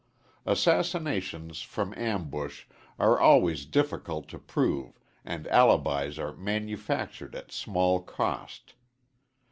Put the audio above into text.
Assassinations from ambush are always difficult to prove and alibis are manufactured at small cost.